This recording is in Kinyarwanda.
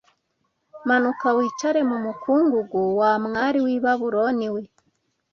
Manuka wicare mu mukungugu, wa mwari w’i Babuloni we